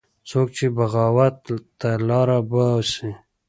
څوک چې بغاوت ته لاره وباسي